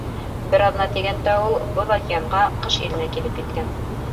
Бер аҙна тигәндә ул боҙ океанға, Ҡыш иленә килеп еткән.